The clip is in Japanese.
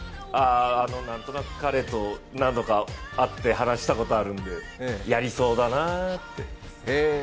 何となく彼と何度か会って話したことあるんでやりそうだなって。